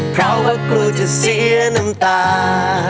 เพราะว่ากลัวจะเสียน้ำตา